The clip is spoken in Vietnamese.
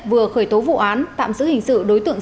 vừa khởi tố vụ án tạm giữ hình sự đối tượng